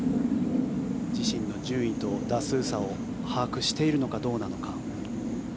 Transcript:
自身の順位と打数差を把握しているのかどうか。